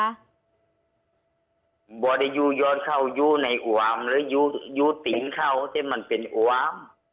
ไม่ได้อยู่ยอดเขาอยู่ในอวามหรืออยู่อยู่ติ๋งเขาแต่มันเป็นอวาม